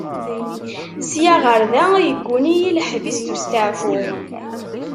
Sya ɣer da yegguni-iyi leḥbis d ustaɛfu.